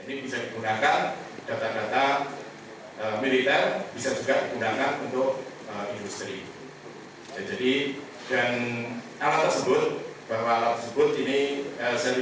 ini bisa digunakan data data militer